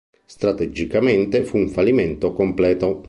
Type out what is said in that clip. Strategicamente fu un fallimento completo.